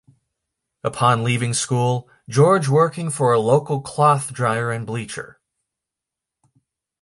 Upon leaving school, George working for a local cloth dyer and bleacher.